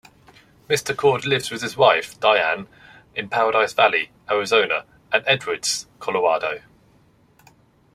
McCord lives with his wife, Diane, in Paradise Valley, Arizona and Edwards, Colorado.